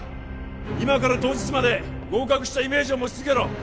今から当日まで合格したイメージを持ち続けろ！